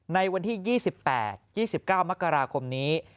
ในวันที่๒๘๒๙มกราคมนี้